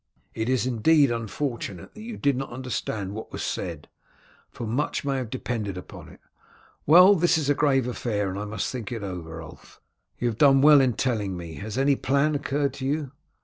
It is indeed unfortunate that you did not understand what was said, for much may depend upon it. Well, this is a grave affair, and I must think it over, Ulf. You have done well in telling me. Has any plan occurred to you?"